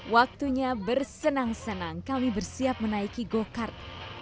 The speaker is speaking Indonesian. waktunya bersenang senang kami bersiap menaiki go kart